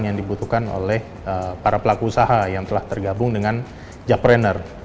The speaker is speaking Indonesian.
yang dibutuhkan oleh para pelaku usaha yang telah tergabung dengan jakpreneur